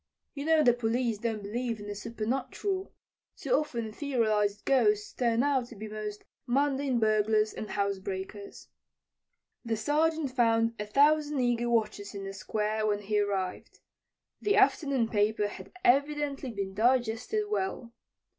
You know the police don't believe in the supernatural. Too often etherealized ghosts turn out to be most mundane burglars and housebreakers. The Sergeant found a thousand eager watchers in the Square when he arrived. The afternoon paper had evidently been digested well.